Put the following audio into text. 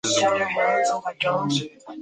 九十四学年度